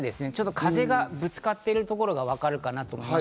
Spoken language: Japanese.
風がぶつかっているところがわかるかなと思います。